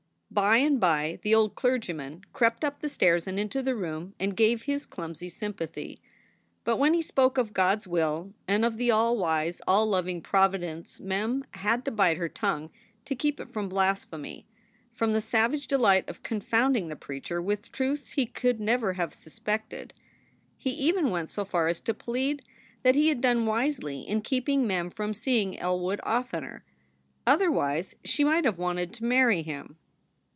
By and by the old clergyman crept up the stairs and into the room and gave his clumsy sympathy. But when he spoke of God s will and of the all wise, all loving Providence Mem had to bite her tongue to keep it from blasphemy, from the savage delight of confounding the preacher with truths he could never have suspected. He even went so far as to plead that he had done wisely in keeping Mem from seeing Elwood oftener; otherwise she might have wanted to marry him.